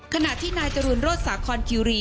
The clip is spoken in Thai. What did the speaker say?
ขณะที่นายจรูนโรศสาคอนคิวรี